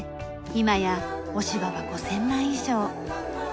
今や押し葉は５０００枚以上。